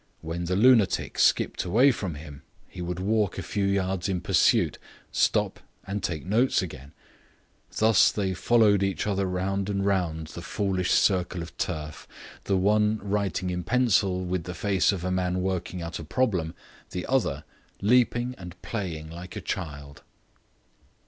When the lunatic skipped away from him he would walk a few yards in pursuit, stop, and make notes again. Thus they followed each other round and round the foolish circle of turf, the one writing in pencil with the face of a man working out a problem, the other leaping and playing like a child.